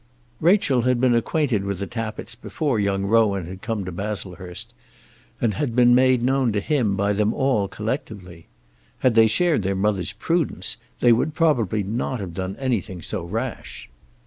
Rachel had been acquainted with the Tappitts before young Rowan had come to Baslehurst, and had been made known to him by them all collectively. Had they shared their mother's prudence they would probably not have done anything so rash.